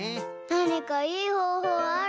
なにかいいほうほうある？